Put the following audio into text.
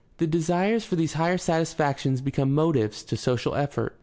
The desires for these higher satisfactions become motives to social effort.